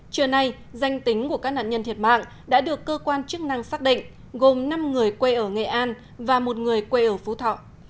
trưa nay danh tính của các nạn nhân thiệt mạng đã được cơ quan chức năng xác định gồm năm người quê ở nghệ an và một người quê ở phú thọ